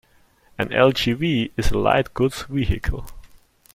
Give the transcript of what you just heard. An L-G-V is a light goods vehicle.